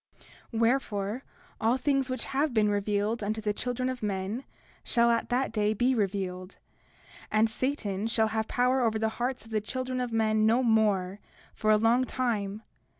30:18 Wherefore, all things which have been revealed unto the children of men shall at that day be revealed; and Satan shall have power over the hearts of the children of men no more, for a long time.